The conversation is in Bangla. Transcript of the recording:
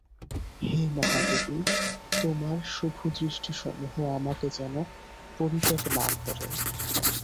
হে মহাদেবী, তোমার শুভদৃষ্টিসমূহ আমাকে যেন পরিত্যাগ না করে।